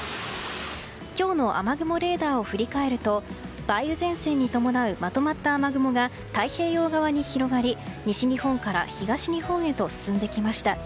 今日の雨雲レーダーを振り返ると梅雨前線に伴うまとまった雨雲が太平洋側に広がり、西日本から東日本へと進んできました。